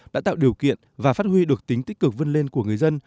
đã tạo điều kiện và phát huy được tính tích cực vươn lên của người dân